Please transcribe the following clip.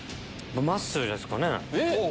まっすーですかね。